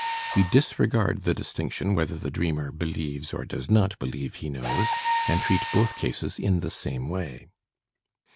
We disregard the distinction whether the dreamer believes or does not believe he knows, and treat both cases in the same way.